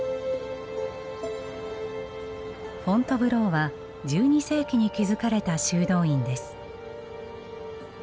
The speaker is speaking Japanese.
フォントヴローは１２世紀に築かれた修道院です。